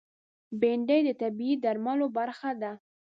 بېنډۍ د طبعي درملو برخه ده